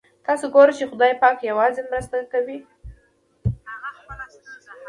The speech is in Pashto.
تاسو ګورئ چې خدای پاک یوازې مرسته کوي.